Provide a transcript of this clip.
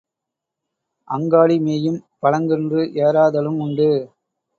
அங்காடி மேயும் பழங்கன்று ஏறாதலும் உண்டு.